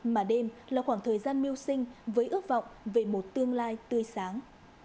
mà đêm là khoảng thời gian mưu sinh với ước vọng về một tương lai tươi sáng